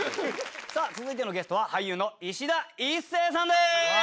さぁ続いてのゲストは俳優のいしだ壱成さんです！